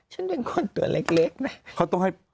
ฉันเป็นคนตัวเล็กนะ